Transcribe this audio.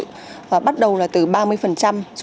chúng tôi đã có sự giảm về nhân sự